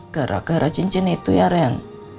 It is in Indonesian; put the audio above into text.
gara gara cincin itu ya reang